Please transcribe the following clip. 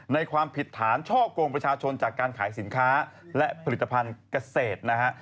ความผิดฐานช่อกงประชาชนจากการขายสินค้าและผลิตภัณฑ์เกษตรนะฮะ